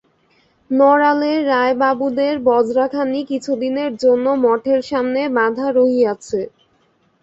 নড়ালের রায়বাবুদের বজরাখানি কিছুদিনের জন্য মঠের সামনে বাঁধা রহিয়াছে।